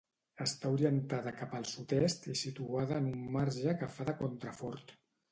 Està orientada cap al sud-est i situada en un marge que fa de contrafort.